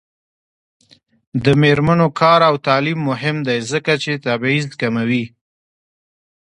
د میرمنو کار او تعلیم مهم دی ځکه چې تبعیض کموي.